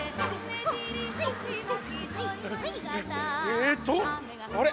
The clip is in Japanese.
えっとあれ？